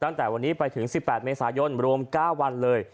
ตั้งแต่วันนี้ไปถึง๑๘เมษายนรวม๙วันเลย